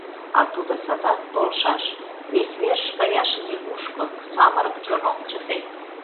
А тудо садак толшаш, вес верыш каяш нигушко, самырык чон ок чыте.